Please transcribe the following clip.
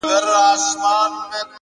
مهرباني د انسانیت تر ټولو ساده ځواک دی!